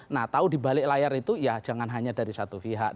nah tahu di balik layar itu ya jangan hanya dari satu pihak